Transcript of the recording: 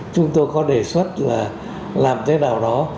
chúng tôi có đề xuất là làm thế nào đó